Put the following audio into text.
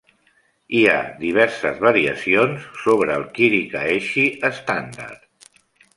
Hi ha diverses variacions sobre el kirikaeshi estàndard.